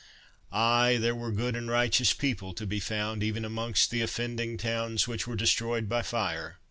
Ay, there were good and righteous people to be found even amongst the offending towns which were destroyed by fire.